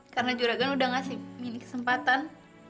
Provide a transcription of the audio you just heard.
karena juragan udah ngasih mini kesempatan